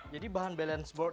jadi bahan balance board